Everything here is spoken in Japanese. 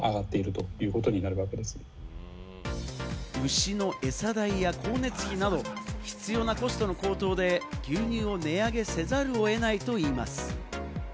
牛のエサ代や光熱費など、必要なコストの高騰で牛乳を値上げせざるを得ないといいます。